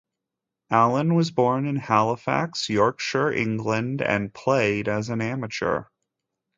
Allen was born in Halifax, Yorkshire, England, and played as an amateur.